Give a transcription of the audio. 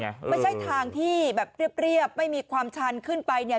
ไม่ใช่ทางที่แบบเรียบไม่มีความชันขึ้นไปเนี่ย